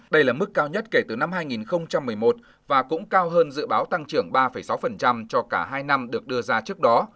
đây là mức cao nhất kể từ năm hai nghìn một mươi một và cũng cao hơn dự báo tăng trưởng ba sáu cho cả hai năm được đưa ra trước đó